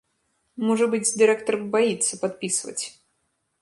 Можа быць, дырэктар баіцца падпісваць.